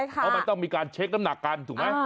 เพราะมันต้องมีการเช็คน้ำหนักกันถูกไหม